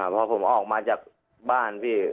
พอผมออกมาจากบ้านพี่